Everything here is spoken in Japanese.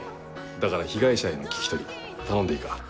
だから被害者への聞き取り頼んでいいか？